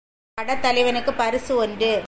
படைத்தலைவனுக்குப் பரிசு ஒன்று.